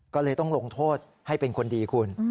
ก็เลยต้องลงโทษให้เป็นคนดีคุณ